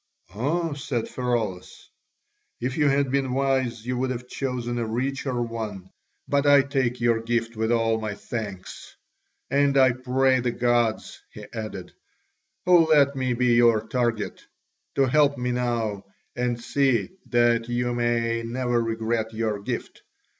"Ah," said Pheraulas, "if you had been wise, you would have chosen a richer one; but I take your gift with all my thanks. And I pray the gods," he added, "who let me be your target, to help me now and see that you may never regret your gift.